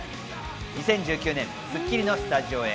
２０１９年『スッキリ』のスタジオへ。